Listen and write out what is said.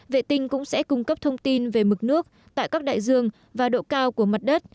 vệ tinh cũng sẽ cung cấp thông tin về mực nước tại các đại dương và độ cao của mặt đất